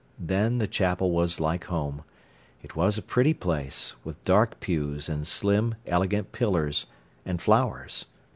Then the chapel was like home. It was a pretty place, with dark pews and slim, elegant pillars, and flowers.